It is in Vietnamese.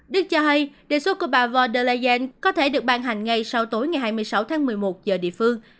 đức cho hay đề xuất của bà vo der leyen có thể được ban hành ngay sau tối ngày hai mươi sáu tháng một mươi một giờ địa phương